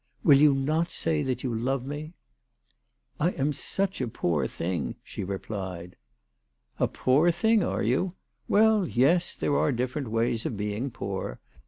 " Will you not say that you love me ?"" I am such a poor thing," she replied. " A poor thing, are you ? "Well, yes ; there are dif ferent ways of being poor.